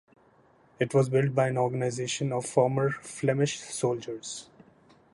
It was built by an organisation of former Flemish soldiers.